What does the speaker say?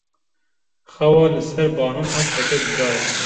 Xewa li ser banan hesteke cuda ye.